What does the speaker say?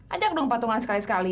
ajak dong patungan sekali sekali